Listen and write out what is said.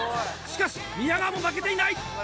しかし宮川も負けていない！